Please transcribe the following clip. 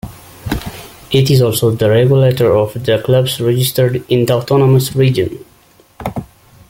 It is also the regulator of the clubs registered in the autonomous region.